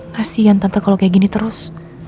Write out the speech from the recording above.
kasian tante kalau kayak gini terus